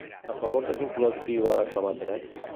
A favor de quin col·lectiu ha reclamat drets?